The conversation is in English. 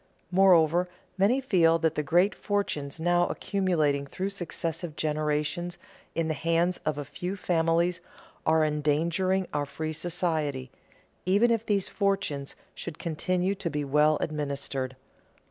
Moreover, many feel that the great fortunes now accumulating through successive generations in the hands of a few families are endangering our free society, even if these fortunes should continue to be well administered.